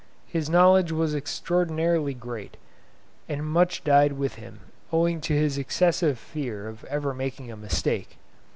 His knowledge was extraordinarily great, and much died with him, owing to his excessive fear of ever making a mistake.